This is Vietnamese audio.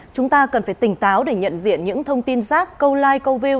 chúng ta cần phải tỉnh táo để nhận diện những thông tin rác câu like câu view